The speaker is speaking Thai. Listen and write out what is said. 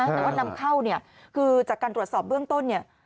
แต่ว่านำเข้าเนี่ยคือจากการตรวจสอบเบื้องต้นเนี่ย